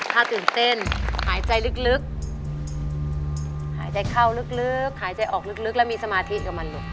ถ้าตื่นเต้นหายใจลึกหายใจเข้าลึกหายใจออกลึกแล้วมีสมาธิกับมันลูก